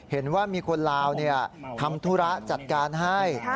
เห็นว่ามีคนลาวทำธุระจัดการให้